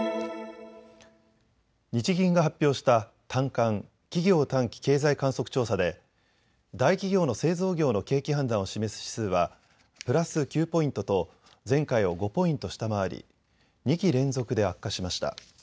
日銀が発表した短観・企業短期経済観測調査で大企業の製造業の景気判断を示す指数はプラス９ポイントと前回を５ポイント下回り２期連続で悪化しました。